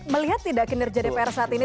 melihat tidak kinerja dpr saat ini